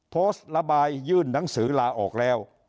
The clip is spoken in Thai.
โพสต์ระบายยื่นหนังสือลาออกแล้ว